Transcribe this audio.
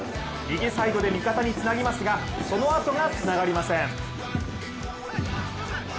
右サイドで味方につなぎますが、そのあとがつながりません。